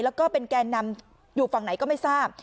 แล้วก็เป็นแกนนำอยู่ฝั่งไหนก็ไม่ทราบ